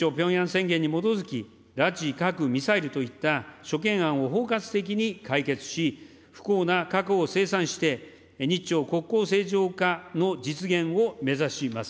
日朝ピョンヤン宣言に基づき、拉致、核・ミサイルといった、諸懸案を包括的に解決し、不幸な過去を清算して、日朝国交正常化の実現を目指します。